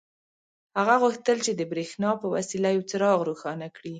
هغه غوښتل چې د برېښنا په وسیله یو څراغ روښانه کړي